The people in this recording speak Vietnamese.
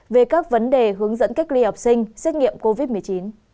về các vấn đề hướng dẫn cách ly học sinh xét nghiệm covid một mươi chín